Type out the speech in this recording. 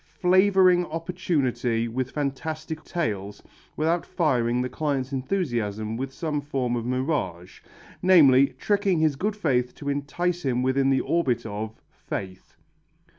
flavouring opportunity with fantastic tales, without firing the client's enthusiasm with some form of mirage, namely, tricking his good faith to entice him within the orbit of faith.